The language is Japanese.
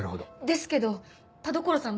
ですけど田所さん